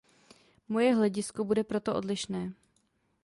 Moje hledisko bude proto odlišné.